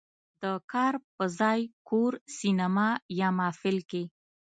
"د کار په ځای، کور، سینما یا محفل" کې